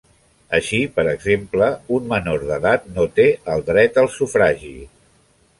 Així, per exemple, un menor d'edat no té el dret al sufragi.